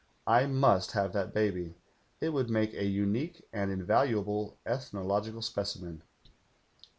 'I must have that baby. It woidd make a unique and invaluable ethnological specimen.'